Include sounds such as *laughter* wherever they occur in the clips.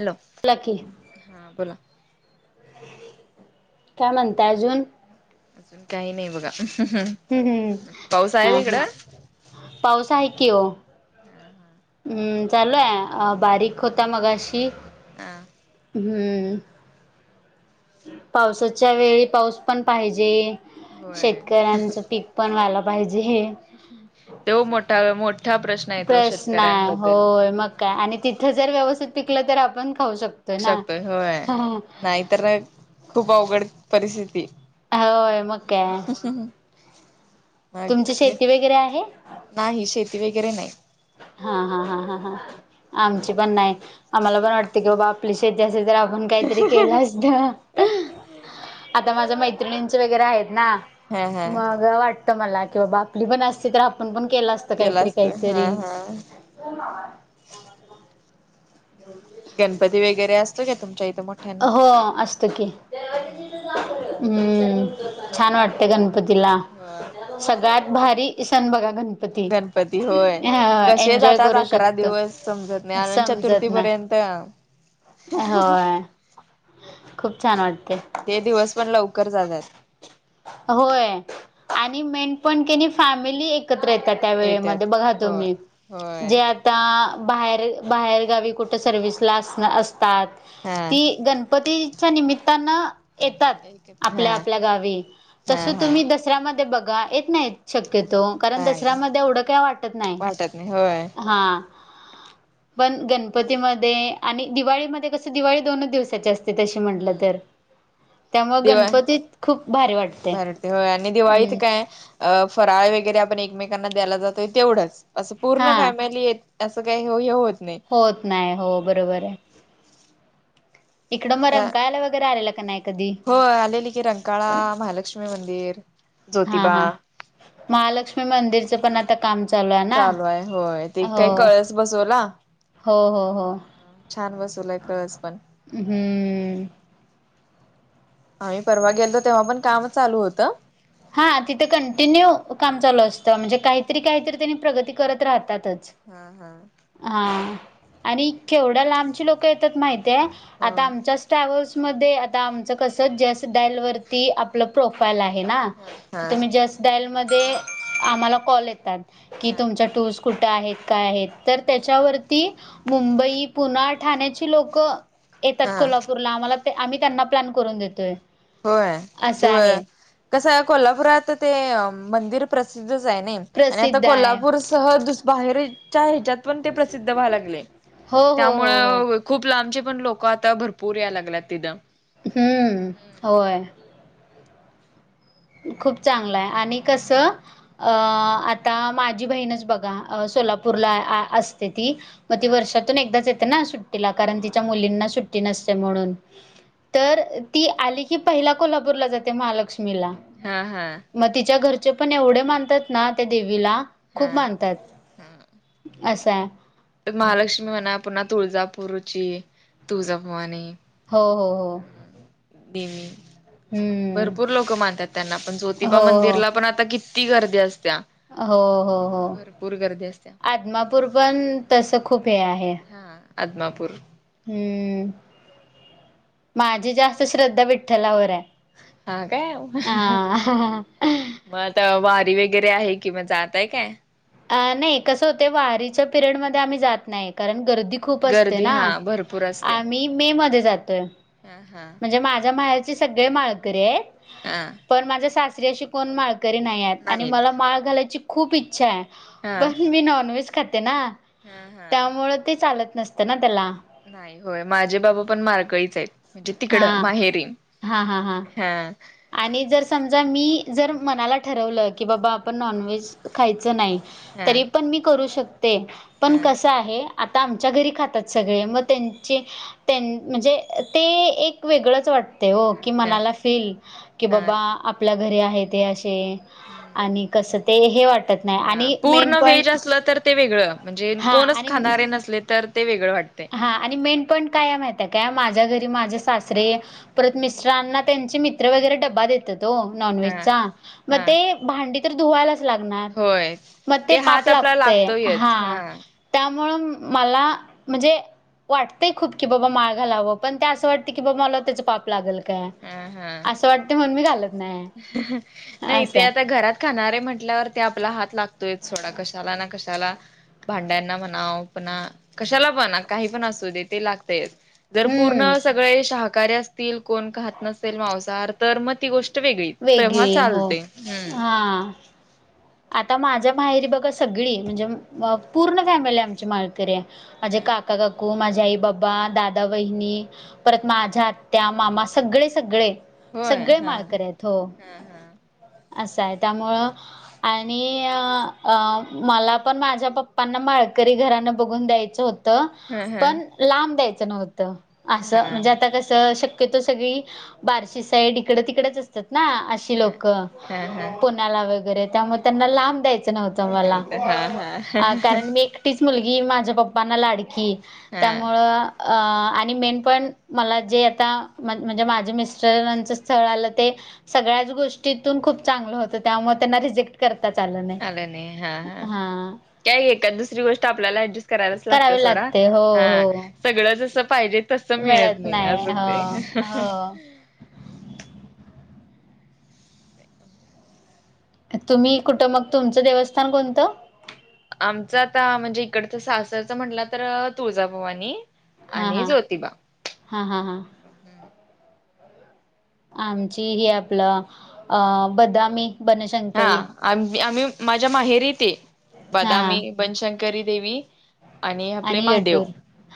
Hello. बो लाकी हा बोला काय म्हणताय अजून. असून काही नाही बघा. हम् हम् पाऊस आहे हा तिकडं हा पाऊस हाय की वो. हा हा हम्म चालूय बारीक होता मघाशी. हा हम्म पावसाच्या वेळी पाऊस पण पाहिजे. होय शेतकऱ्यांचं पीक पण व्हाय ला पाहिजे. तो मोठा आहे मोठा प्रश्न आहे तो प्रश्न आहे शेतकऱ्यांबद्दल होय मग काय आणि तिथं जर व्यवस्थित पिकलं तर आपण खाऊ शकतो. शकतोय होय नाहीतर खूप अवघड परिस्थिती. होय मग काय? मग तुमची शेती वगैरे आहे नाही शेती वगैरे नाही. हा हा हा हा हा आमची पण नाही आम्हाला पण वाटते की बाबा आपली शेती असती तर. आपण काहीतरी केलं असत आता माझ्या मैत्रिणींच वगैरे आहेत ना? हा हा मग वाटतं मला कि बाबा आपली पण असती तर आपण पण केलं असत केला काहीतरी असत काहीतरी. हा हा हो नावा *inaudible* हो गणपती वैगरे असतो का तुमच्या इथं मोठा.. हो हो असत की *inaudible* छान वाटते गणपतीला होय सगळ्यात भारी सण बघा गणपती. गणपती होय कसे एन्जॉय जातात करू अकरा शकतो दिवस समजत नाही आनंद चतुर्थी समजत ना पर्यंत.... ते होय खूप छान वाटते. ते दिवस पण लवकर जातात. होय आणि मेन पण कनी फॅमिली एकत्र येतात. त्या येत्यात वेळेमध्ये बघा तो होय मी होय जे.. आता बाहेर बाहेरगावी कुठं सर्विसला असनं असतात. हा ती गणपतीच्या निमित्तानं येतात हा आपल्या आपल्या गावी. हा तसं हा तुम्ही दसऱ्यामध्ये बघा येत नाहीत. शक्यतो कारण नाही दसऱ्यामध्ये एवढं काय वाटत नाही. वाटत नाही होय हा पण गणपतीमध्ये आणि दिवाळीमध्ये कसं दिवाळी दोनच दिवसाची असते. ते तशी म्हटलं हम्म तर त्यामुळ गणपतीत खूप भारी वाटत. भारी वाटतंय होय. आणि दिवाळीत काय अ फराळ वगैरे आपण एकमेकांना द्याला जातोय तेवढंच. असं पूर्ण हा फॅमिली येत असं काही हे होत नाही. होत नाही हो बरोबर आहे इकडं म रंकायला वगैरे आलेलं का नाही. कधी होय आलेली की रंकाळा महालक्ष्मी मंदिर हा ज्योतिबा हा महालक्ष्मी मंदिरचं पण आता... काम आहे ना चालू आहेय होय ते हो काय कळस बसवला. हो हो हो छान बसवलाय कळस पण. हम्म आम्ही परवा गेलतो तेव्हा पण काम चालू होतं. हा तिथे कंटिन्यू काम चालू असतं म्हणजे काहीतरी काहीतरी त्यांनी प्रगती करत राहतातच. हा हा हा आणि केेवड्या लांबची लोक येतात माहितये हो आता आमच्या ट्रॅव्हल्स मधे आता आमचं कस जस डायल वरती आपलं प्रोफाईल आहे ना हा तुम्ही हा जस डायल मध्ये आम्हाला कॉल येतायेत की तुमच्या टुलस कुठं आहेत काय आहेत तर त्याच्यावरती मुंबई पुना ठाण्याची लोक येतात हा कोल्हापूरला आम्हाला आम्ही त्यांना प्लॅन करून देतोय. होय असं तेव आहे कसं कोल्हापुरात ते मंदिर प्रसिद्धच आहे नाही. आणि आता प्रसिद्ध आहे कोल्हापूर ह बाहेरच्या ह्याच्यात पण ते प्रसिद्ध व्हायला ला लागले हो हो हो हो त्यामुळ खूप लांबचे पण लोक आता भरपूर या लागल्यात तिद हम्म होय खूप चांगलं आहे आणि कसं अ आता माझी बहीणच बघा सोलापूरला असते ती, मग ती हा वर्षातून एकदाच येते ना सुट्टीला कारण तिच्या मुलींना सुट्टी नसते म्हणून. तर ती आली की पहिला कोल्हापूरला जाते महालक्ष्मीला हा हा मग तिच्या घरचे पण एवढे मानतात ना त्या देवीला हा खूप मानतात हा असं आहे तर महालक्ष्मी म्हणा, पुन्हा तुळजापूरुची तुळजाभवानी हो हो हो देवी हम्म भरपूर लोक मानतात त्यांना पण, ज्योतिबा हो हो मंदिरला पण आता किती गर्दी असत्या. हो हो हो भरपूर गर्दी असत्या आदमापूर पण तस खूप हे आहे. हा आदमापूर हम्म माझी जास्त श्रद्धा विठ्ठलावर आहे. हा काय अ हह मग आता वारी वगैरे आहे की मग जातय काय? अ नाही कसं होत वारीच्या पिरियड मध्ये आम्ही जात नाही कारण गर्दी खूप असते गर्दी ना हा भरपूर असते आम्ही मे मध्ये जातोय. हा हा म्हणजे माझ्या माहेरचे सगळे मानकरी आहेत. हा पण माझ्या सासरी अशी कोण माळकरी नाही आहेत आणि नाहीत मला माळ घालायची खूप इच्छा आहे. हा पण मी नॉन व्हेज खाते ना हा हा त्यामुळें ते चालत नसत ना त्याला. नाही होय माझे बाबा पण माळकरीच आहेत. म्हणजे तिकडं माहेरी. हा हा आणि जर समजा मी जर मनाला ठरवलं की बाबा आपण नॉनव्हेज खायचं नाही हा तरी पण मी करू शकते पण हा कस आहे आता आमच्या घरी खातात सगळे मग त्यांचे त्यां म्हणजे ते एक वेगळंच वाट ते ओ की ह मनाला फील की हा बाबा आपल्या घरी आहेत हे अशे- ते आणि कस ते हे वाटत नाही हा आणि- मेन पूर्ण व्हेज पॉईंट असलं तर ते वेगळं, म्हणजे हां कोणच आणि खाणारे नसले तर ते वेगळं वाटतंय. हां आणि मेन पॉईंट काय माहित काय माझ्या घरी माझे सासरे- परत मिस्टरांना त्यांचे मित्र वगैरे डब्बा देतात. तो नॉनव्हेज हा चा मग हा ते भांडी तर धुवाला, लागणार होय मग ते हात पाप आपला लागतय लागतोयच हा, त्यामुळं मला, म्हणजे वाटतंय खूप की बाबा माळ घालावं, पण ते असं वाटते की बाबा मला त्याच पाप लागेल का‌. हा हा का, असं वाटते म्हणून मी घालत नाही नाही असं ते आहे. आता घरात खाणारे म्हटल्यावर ते आपला हात लागतोय थोडा कशाला ना कशाला. भांड्यांना म्हणा पणा कशाला पण काही पण असू दे ते लागतंय. जर पूर्ण हम्म. सगळे शाहाकारी असतील कोण खाहात नसेल मांसाहार तर मग ती गोष्ट- वेगळी तेव्हा वेगळी हो. चालते हम्म- हां. आता माझ्या माहेरी बघा सगळी म्हणजे अ पूर्ण फॅमिली आमची माळकरी आहे. माझे ह काका- काका काकू माझे आई बाबा दादा वहिनी- परत माझ्या आत्या मामा सगळे सगळे होय सगळे हा माळकरी आहेत हो हा हा असं हाय त्यामुळं आणि अ अ मला पण माझ्या पप्पांना माळकरी घरान बघून द्यायचं होतं त ह ह पण लांब द्यायचं नव्हतं, हा असं म्हणजे आता हा कस श तीत सगळी बार्शी साईड इकडं तिकडेच असतात ना अशी लोक हा हा ला वगैरे त्यामुळं त्यांना द्यायच नव्हतं मला होत हा हा आ कारण मी एकटीच मुलगी माझ्या पप्पांना लाडकी हा त्यामुळं अ आणि मेन पण मला जे आता म्हणजे माझं मिस्टरांचं स्थळ आलं ते सगळ्यांचं गोष्टीतून खूप चांगलं होतं, त्यामुळे त्यांना रिजेक् करता च आल नाही. आलं नाही हा हा काय एका दुसरी गोष्ट आपल्याला ऍडजस्ट करायला लागत्या करावे सोडा लागते हो हा हो सगळं जसं पाहीजे तसं मिळत नाही अस हुतय ह ह हो तुम्ही कुठं मग तुमचं देवस्थान कोणतं? आमच आता म्हणजे इकडचं सासरच म्हटला तर तुळजाभवानी. हा आणि हा ज्योतिबा हा हा हा आमची ही आपलं अ बदामी बनशंकरी आम आम्ही माझ्या माहेरीत ये हा बदामी बनशंकरी देवी आणि आपले महादेव. येड्डूर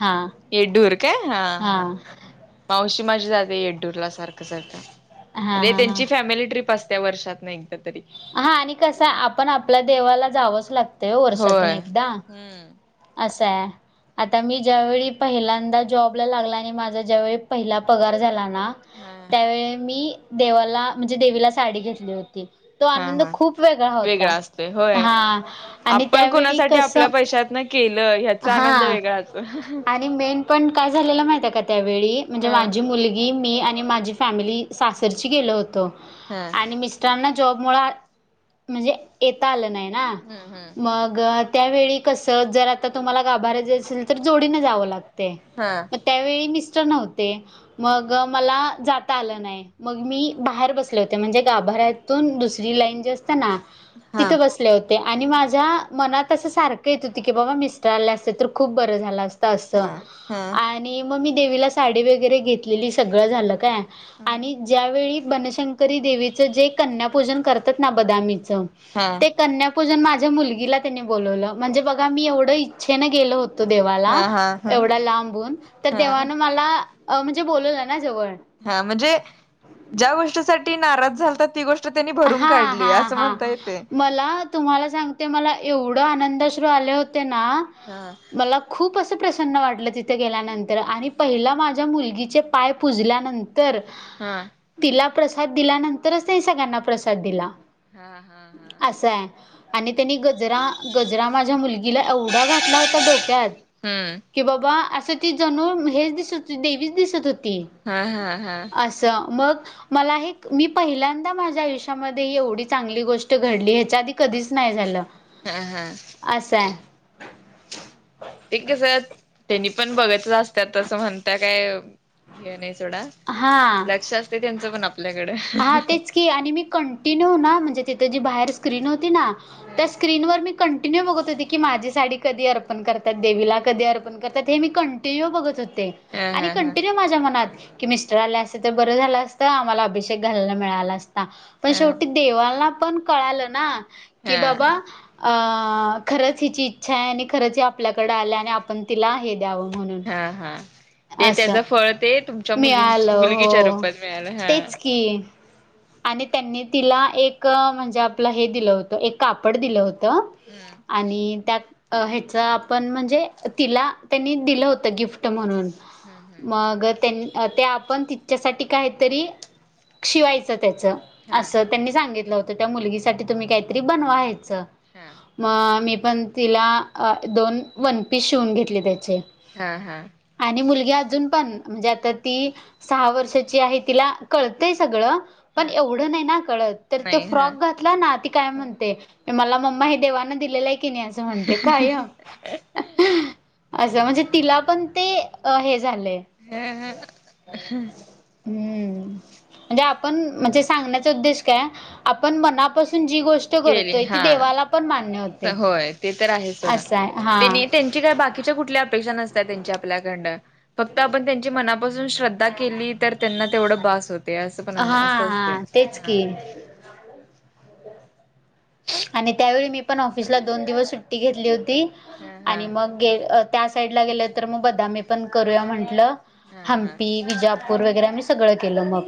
हा येडडुर काय हा हा मावशी माझी जाते येड्डूरला सारखं हा सारखं, हा हा त्यांची फॅमिली ट्रीप असते वर्षात ना एकदा तरी हा आणि कसं आपण आपल्या देवाला जावंच लागतय ओ वर्षातून होय एकदा. हम्म आस हाय. आता मी ज्या वेेळी पहिल्यांदा जॉबला लागला, आणि माझा ज्यावेळी पहिला पगार झाला ना- हा त्यावेळी मी देवाला म्हणजे देवीला साडी घेतली होती. तो हा आनंद हा खूप वेगळा होता, असतोय होय. हा आणि आपण त्यावेळी कोणासाठी कस- आपल्या पैशातन केलं ह्याचा हा आनंद वेगळाच. आणि मेन पाॅइंट काय झालेल महित आहे का त्यावेळी म्हणजे हा माझी मुली गी मी आणि माझी फॅमिली सासरची गेलो होतो. हा. आणि मिस्टरांना जॉबमुळे म्हणजे येता आलं नाही ना, हम्म म ग त्यावेळी कसं जर आता तुम्हाला गाभार्यात असेल तर जोडीने जावं लागतय. हा. म त्यावेळी मिस्टर नव्हते, मग अ मला जाता आलं नाही मग मी बाहेर बसले होते. म्हणजे गाभऱ्यातून दुसरी लाईन जी असते ना हा तिथे बस ले होते. आणि माझ्या मनात अस सारख येत होती की बाबा मिस्टर आले असते तर खूप बर झाला असत त असंत हा हा. आणि मग मी देवीला साडी वगैरे घेतलेली सगळं झालं काय हा आणि ज्यावेळी बनशंकरी देवीच जे कन्यापूजन करतात ना बदामीचं हा. ते कन्यापूजन माझ्या मुलगीला त्यांनी बोलावलं. म्हणजे बघा मी एवढं इच्छेनं गेल होत तो देवाला, हा हा एवढा लांबून, तर हा देवानं मला म्हणजे बोलवलं ना जवळ हा म्हणजे, ज्या गोष्टीसाठी नाराज झालतात ती गोष्ट त्यांनी भरून काढली असं हा-हा-हा म्हणता येते. मला तुम्हाला सांगते, मला एवढं आनंदश्रू आले होते ना हा. मला खूप असं प्रसन्न वाटलं तिथे गेल्यानंतर, आणि पहिला माझ्या मुलगीचे पाय पुजल्यानंतर तर हा. तिला प्रसाद दिल्यानंतरच त्यांनी सगळ्यांना प्रसाद दिला. हा-हा. असा हाय. आणि त्यांनी गजरा-गजरा माझ्या मुलगीला एवढा घातला होता डोक्यात हम्म. की बाबा, असं ती जणू हेच दिसत होती. देवीच दिसत होती. हा-हा-हा. च मग मला हे मी पहिल्यांदा माझ्या आयुष हेच्या मध्ये एवढी चांगली गोष्ट घडली. ह्याच्या आधी कधीच नाही झालं. हा-हा असाय. ते कस त्यांनी पण बघत असत तसं म्हणत काय हे नाही सोडा. हा लक्ष असते त्यांच पण आपल्याकडे. हा तेच की आणि मी कं ती नव ना म्हणजे तिथ जी बाहेर स्क्रीन होती ना ह त्या स्क्रिन वर मी कंटिन्यू बघत होते की, माझी साडी कधी अर्पण करतात देवीला, कधी अर्पण करतात, हे मी कंटिन्यू बघत होते. हा आणि हा हा कंटिन्यू माझ्या मनात कि मिस्टर आले अस तर बरं झालं असतं. आम्हाला अभि घला मिळाला असता. पण शेवटी देवाना पण कळालं ना हा कि बाबा अ खरंच हिची इच्छा आहे. आणि खरंच आपल्याकडे आलं आणि आपण तिला हे द्यावं म्हणून. हा-हा ते असं त्याचं फळ ते तुमच्या मुली मिळालं मुलगीच्या हो रूपात मिळाल. हा. तेच की आणि त्यांनी तिला एक म्हणजे आपलं हे दिलं होतं. एक कापड दिलं होतं. हम्म आणि त्या अ ह्याच आपण म्हणजे, तिला त्यांनी दिलं होतं गिफ्ट म्हणून हम्म हम्म मग त्यांनी ते आप आपण तिच्यासाठी काहीतरी शिवायचं त्याचं. हा असत त्यांनी सांगितलं होतं त्या मुलगी साठी तुम्ही काहीतरी बनवा हेच. हा. मग मी पण तिला दोन वन पीस शिवून घेतले त्याचे. हा हा. आणि मुलगी अजून पण म्हणजे आता ती सहा वर्षाची आहे तिला कळतय सगळं. हा पण एवढं नाही ना कळत. तर त्यो नाही हा फ्रॉक घात ला ना ती काय म्हणते. मला मम्मा हे देवान दिलेलं आहे की नाही? असं म्हणते कायम. असं म्हणजे तिला पण ते अ हे झालंय. ह्या ह्या अह हम्म. म्हणजे आपण म्हणजे सांगण्याचा उद्देश काय? आपण मनापासून जी गोष्ट - केली करतोय ती हा देवाला पण मान्य होते. होय ते तर आहे सोडा. असाय हा. त्यांनी त्यांची काय बात् बाकीच्या कुठल्या अपेक्षा नसत्या त्यांच्या आपल्याकडन. फक्त आपण त्यांची मनापासून श्रद्धा केली तर त्यांना तेवढं बास होतय. असं पण हा असं असतय. हा तेच की. आणि त्यावेळी मी पण ऑफिसला दोन दिवस सुट्टी घेतली होती. हा आणि हा मग गे - त्या साईडला गेल तर मग बदामी पण करूया म्हटलं. हा हा हंपी विजाप पूर वगैरे आम्ही सगळं केलं मग.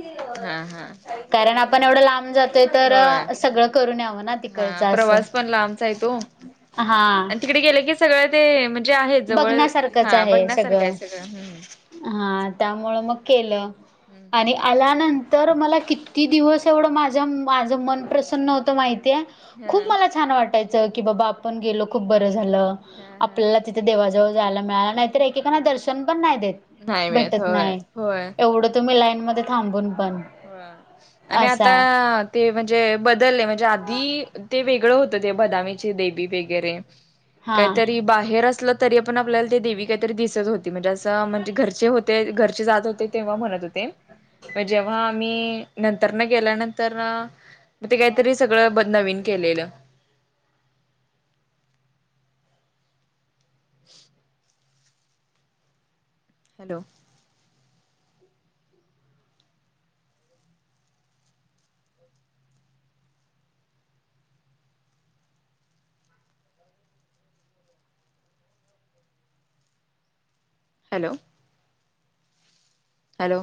हा हा. कारण आपण एवढं लांब जातोय तर होय. सगळं करून यावं ना ते. हा प्रवास पण लांबचाय तो. हा आणि तिकडे गेल की सगळ ते म्हणजे आहे जवळ. बघण्यासारखंच हा आहे बघण्यासारखं आहे सगळं. सगळं. हा त्यामुळ मग केलं हम्म हम्म. आणि आल्या नं तर मला कित्ती दिवस एवढं माझ -माझ मन प्रसन्न होतं माहितीये? खूप हा मला छान वाटायचं. की बाबा आपण गेलो खूप बरं झालं. हा हा आपल्याला ति ते देवाजवळ जायला मिळालं. नाहीतर एकेकांना दर्शन पण नाही देत. नाही मिळत भेटत होय नाही. होय. एवढं तुम्ही लाईन मध्ये थांबून पण? बर आणि असं आता आहे ते म्हणजे बदलले. म्हणजे आधी ते वेगळं होतं ते बदामीचे देवी वेगैरे. हा. काहीतरी बाहेर असलं तरी पण आपल्याला ते देवी काहीतरी दिसत होती. म्हणजे असं म्हणजे घरचे होते. घरचे जात होते. तेव्हा म्हणत होते. म जेव्हा मग आम्ही नंतर न गेल्यानंतर म ते काहीतरी सगळं बद नवीन केलेलं. *inaudible* हॅलो! हॅलो! हॅलो!